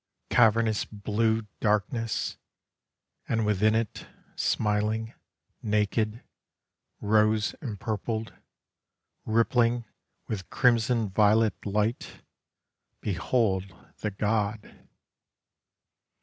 Cavernous blue darkness! And within it Smiling, Naked, Rose empurpled, Rippling with crimson violet light, behold the god.